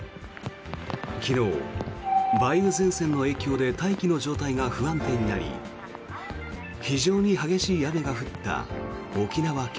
昨日、梅雨前線の影響で大気の状態が不安定になり非常に激しい雨が降った沖縄県。